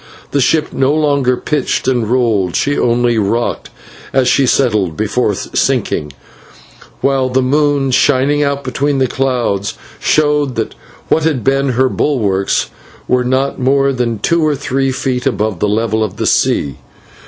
The ship no longer pitched and rolled, she only rocked as she settled before sinking, while the moon, shining out between the clouds, showed that what had been her bulwarks were not more than two or three feet above the level of the sea.